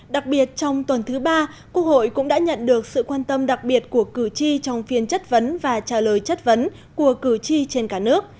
đặc biệt trong tuần thứ ba quốc hội cũng đã nhận được sự quan tâm đặc biệt của cử tri trong phiên chất vấn và trả lời chất vấn của cử tri trên cả nước